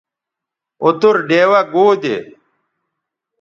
اوتر ڈیوہ گو دے